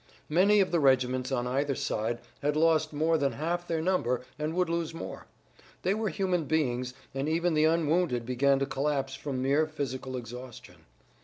Many of the regiments on either side had lost more than half their number and would lose more. They were human beings, and even the unwounded began to collapse from mere physical exhaustion.